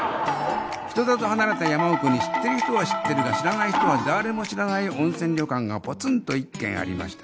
人里離れた山奥に知ってる人は知ってるが知らない人はだーれも知らない温泉旅館がポツンと一軒ありました